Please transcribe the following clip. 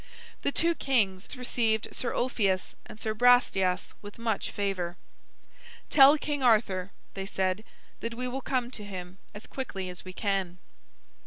The two kings received Sir Ulfius and Sir Brastias with much favor. "Tell King Arthur," they said, "that we will come to him as quickly as we can."